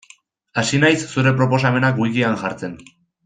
Hasi naiz zure proposamenak wikian jartzen.